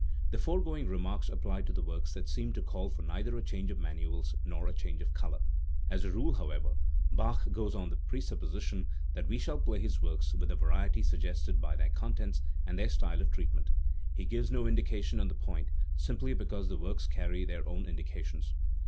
The foregoing remarks apply to the works that seem to call for neither a change, of manuals nor a change of colour. As a rule, however, Bach goes on the presupposition that we shall play his works with the variety suggested by their contents and their style of treatment. He gives no indications on the point, simply because the works carry their own indications.